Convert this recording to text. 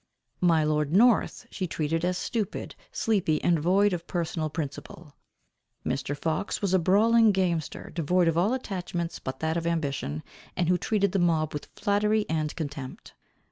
My lord North she treated as stupid, sleepy, and void of personal principle. Mr. Fox was a brawling gamester, devoid of all attachments but that of ambition, and who treated the mob with flattery and contempt.